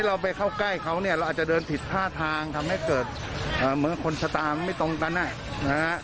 เราก็เข้าใกล้ข้าวอาจจะเดินผิดภาททางทำให้เหมือนเป็นคนชะตาไม่ตรงตัดนั้น